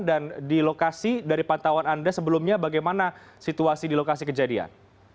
dan di lokasi dari pantauan anda sebelumnya bagaimana situasi di lokasi kejadian